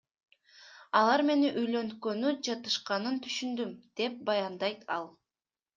Алар мени үйлөнткөнү жатышканын түшүндүм, — деп баяндайт ал.